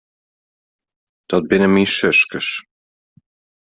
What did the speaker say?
Dat binne myn suskes.